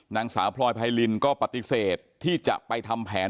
นางสาวพลอยภัยรินทร์ก็ประติเสธที่จะไปทำแผน